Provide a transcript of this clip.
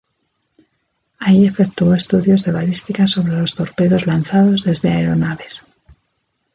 Ahí efectuó estudios de balística sobre los torpedos lanzados desde aeronaves.